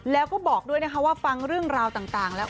แล้วก็บอกด้วยนะคะว่าฟังเรื่องราวต่างแล้ว